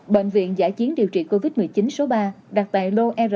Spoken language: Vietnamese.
bệnh viện giải chiến điều trị covid một mươi chín số ba đặt tại block r sáu